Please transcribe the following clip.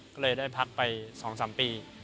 ก็เลยได้พักไป๒๓ปี